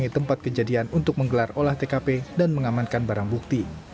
di tempat kejadian untuk menggelar olah tkp dan mengamankan barang bukti